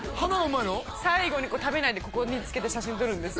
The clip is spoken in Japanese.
最後に食べないでここにつけて写真撮るんです